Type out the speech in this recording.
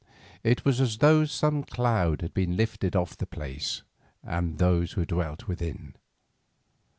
It was as though some cloud had been lifted off the place and those who dwelt therein.